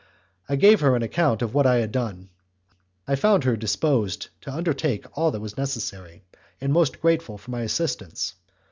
I gave her an account of what I had done. I found her disposed to undertake all that was necessary, and most grateful for my assistance.